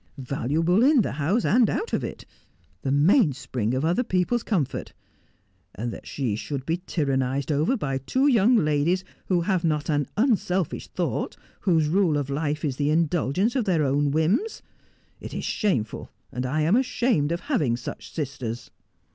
Valu able in the house, and out of it — the mainspring of other people's comfort. And that she should be tyrannized over by two young ladies who have not an unselfish thought, whose rule of life is the indulgence of their own whims ! It is shameful ; and I am ashamed of having such sisters.'